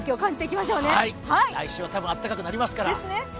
来週は多分、暖かくなりますから。